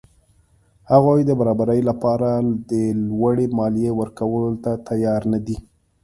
هغوی د برابرۍ له پاره د لوړې مالیې ورکولو ته تیار نه دي.